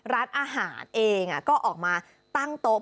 ร้านอาหารเองก็ออกมาตั้งโต๊ะ